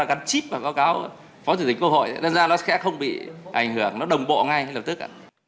gắn chip vào cáo cáo phó thủ tịch quốc hội nên ra nó sẽ không bị ảnh hưởng nó đồng bộ ngay lập tức